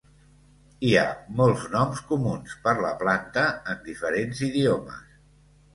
Hi ha molts noms comuns per la planta en diferents idiomes.